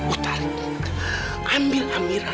utari ambil amira